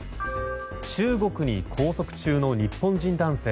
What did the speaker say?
中国に拘束中の日本人男性。